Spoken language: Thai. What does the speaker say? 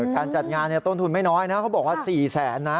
การจัดงานต้นทุนไม่น้อยนะเขาบอกว่า๔แสนนะ